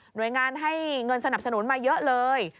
โดยงานให้เงินสนับสนุนมาเยอะเลย